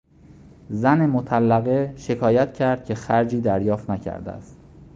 زن مطلقه شکایت کرد که خرجی دریافت نکرده است.